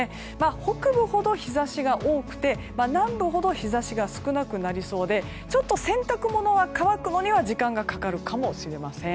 北部ほど日差しが多くて南部ほど日差しが少なくなりそうでちょっと洗濯物が乾くのには時間がかかるかもしれません。